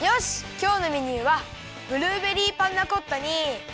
きょうのメニューはブルーベリーパンナコッタにきまり！